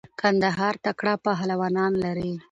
قندهار تکړه پهلوانان لری.